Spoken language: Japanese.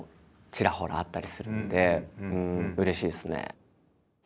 ちらほらあったりするのでうれしいですね。